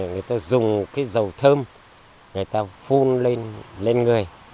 người ta dùng cái dầu thơm người ta phun lên người